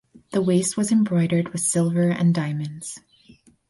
The waist was embroidered with silver and diamonds.